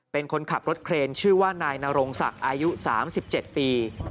เป็นคนขับรถเครนชื่อว่านายนรงศักดิ์อายุ๓๗ปี